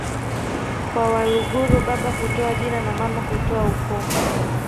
kwa Waluguru baba hutoa jina na mama hutoa ukoo